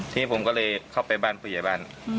ทีนี้ผมก็เลยเข้าไปบ้านผู้ใหญ่บ้าน